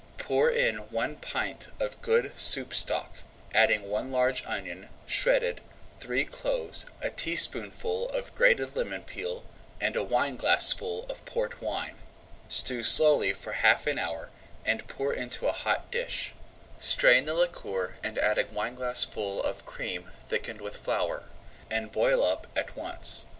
Pour in one pint of good soup stock, adding one large onion, shredded, three cloves, a teaspoonful of grated lemon peel, and a wineglassful of Port wine. Stew slowly for half an hour, and pour into a hot dish. Strain the liquor and add a wineglassful of cream thickened with flour, and boil up once.